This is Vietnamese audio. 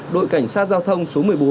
đội cảnh sát giao thông số một mươi bốn